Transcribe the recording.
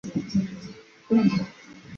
加盖福毛加位于萨瓦伊岛北部。